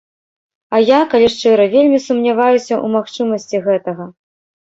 А я, калі шчыра, вельмі сумняваюся ў магчымасці гэтага.